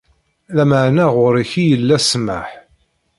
Lameɛna ɣur-k i yella ssmaḥ.